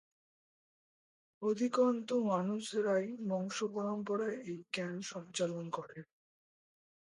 অধিকন্তু, মানুষরাই বংশপরম্পরায় এই জ্ঞান সঞ্চালন করে।